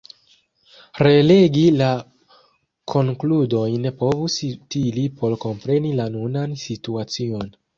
Relegi la konkludojn povus utili por kompreni la nunan situacion.